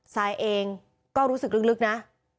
ซายเองก็รู้สึกลึกนะ